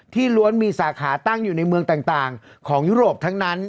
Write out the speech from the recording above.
ล้วนมีสาขาตั้งอยู่ในเมืองต่างของยุโรปทั้งนั้น